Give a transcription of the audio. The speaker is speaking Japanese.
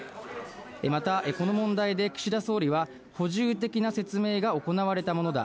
またこの問題で岸田総理は、補充的な説明が行われたものだ。